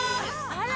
あら！